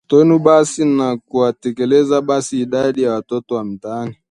watoto wenu basi na kuwatelekeza basi idadi ya watoto wa mtaani